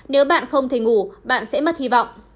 nếu bạn không thể ngủ bạn sẽ mất hy vọng